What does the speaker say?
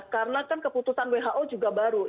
karena keputusan who juga baru